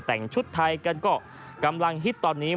แต่งชุดไทยกันก็กำลังฮิตตอนนี้